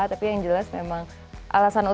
tapi yang jelas memang alasan utama